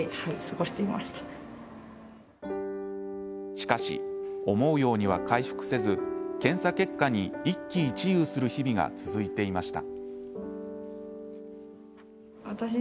しかし、思うようには回復せず検査結果に一喜一憂する日々が続いていました。